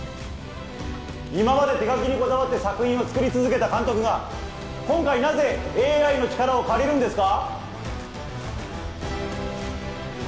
今まで手描きにこだわって作品を作り続けた監督が今回なぜＡＩの力を借りるんですか？